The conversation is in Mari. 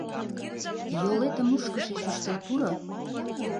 — Йолетым мушкышеш ӱштыл пӱрӧ.